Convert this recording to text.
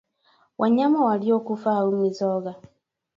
Wanyama waliokufa au Mizoga